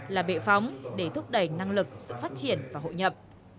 là bệ phóng để thúc đẩy năng lực sự phát triển và hội nhập